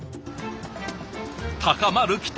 高まる期待。